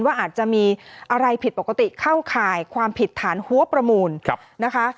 ว่าอาจจะมีอะไรผิดปกติเข้าข่ายความผิดฐานหัวประมูลนะคะ